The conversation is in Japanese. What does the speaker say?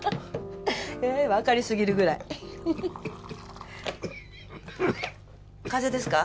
ええ分かりすぎるぐらい風邪ですか？